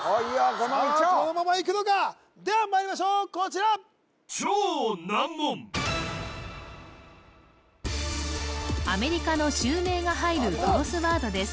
このままいくのかではまいりましょうこちらアメリカの州名が入るクロスワードです